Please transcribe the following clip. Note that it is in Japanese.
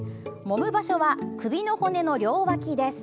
もむ場所は首の骨の両脇です。